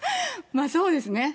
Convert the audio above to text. まあ、そうですね。